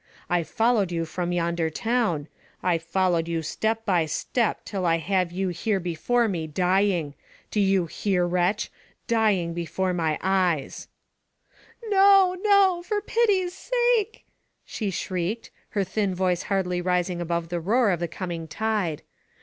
I followed you from yonder town, I followed you step by step till I have you here before me dying — do you hear, wretch — dying before my eyes. Digitized by Google 286 THE FA TE OF FENELLA, "No, no, for pity's sake !*' she shrieked, her thin voice hardly rising above the roar of the coming tide.